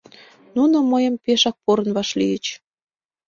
Нуно мыйым пешак порын вашлийыч.